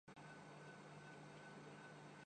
بالائی سطح پر پاکستان میں کرپشن کا خاتمہ ہو چکا ہے۔